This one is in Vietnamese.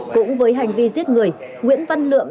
cũng với hành vi giết người nguyễn văn lượm